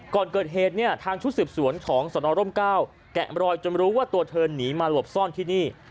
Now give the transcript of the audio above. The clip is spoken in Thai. ก่อนเกิดเหตุเนี่ยทางชุดสืบสวนของสนร่มเก้าแกะมรอยจนรู้ว่าตัวเธอหนีมาหลบซ่อนที่นี่